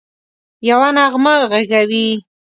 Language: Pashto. یوه نغمه ږغوي